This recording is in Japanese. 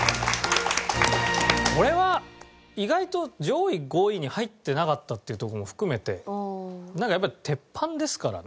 これは意外と上位５位に入ってなかったっていうとこも含めてやっぱり鉄板ですからね。